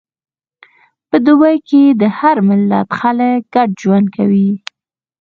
په دوبی کې د هر ملت خلک ګډ ژوند کوي.